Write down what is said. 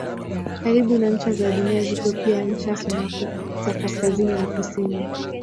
Karibu na ncha za Dunia ziko pia ncha sumaku za kaskazini na kusini.